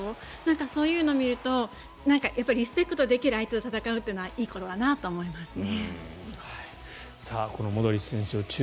そういうのを見るとリスペクトできる相手と戦うのはいいことだなと思いますね。